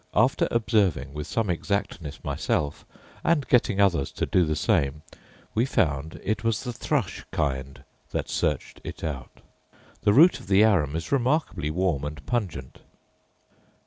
After observing, with some exactness, myself, and getting others to do the same, we found it was the thrush kind that searched it out. The root of the arum is remarkably warm and pungent.